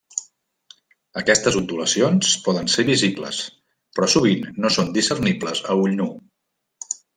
Aquestes ondulacions poden ser visibles però sovint no són discernibles a ull nu.